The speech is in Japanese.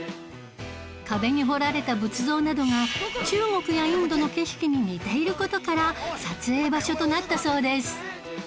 壁に彫られた仏像などが中国やインドの景色に似ている事から撮影場所となったそうです